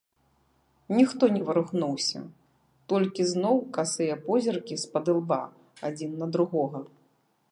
Ніхто не варухнуўся, толькі зноў касыя позіркі спадылба адзін на другога.